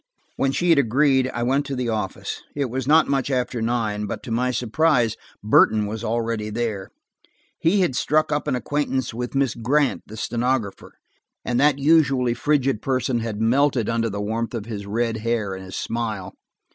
When she had agreed I went to the office. It was not much after nine, but, to my surprise, Burton was already there. He had struck up an acquaintance with Miss Grant, the stenographer, and that usually frigid person had melted under the warmth of his red hair and his smile.